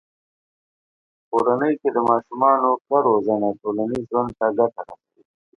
په کورنۍ کې د ماشومانو ښه روزنه ټولنیز ژوند ته ګټه رسوي.